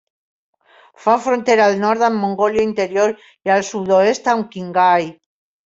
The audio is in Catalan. Fa frontera al nord amb Mongòlia interior i al sud-oest amb Qinghai.